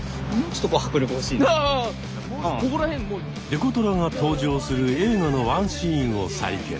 デコトラが登場する映画のワンシーンを再現。